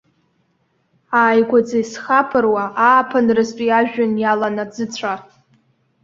Ааигәаӡа исхаԥыруа, ааԥынразтәи ажәҩан иалан аӡыцәа.